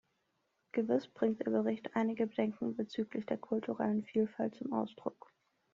Gewiss bringt der Bericht einige Bedenken bezüglich der kulturellen Vielfalt zum Ausdruck.